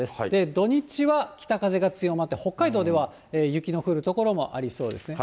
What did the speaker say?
土日は北風が強まって、北海道では雪の降る所もありそうですね。